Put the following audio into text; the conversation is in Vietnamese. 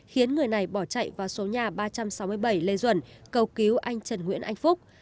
khiến người này bỏ chạy vào số nhà ba trăm sáu mươi bảy lê duẩn cầu cứu anh trần nguyễn anh phúc